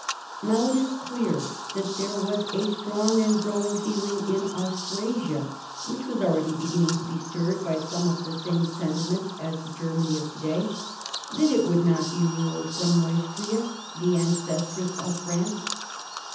Now it is clear that there was a strong and growing feeling in Austrasia (which was already beginning to be stirred by some of the same sentiments as the Germany of to day) that it would not be ruled from Neustria (the ancestress of France).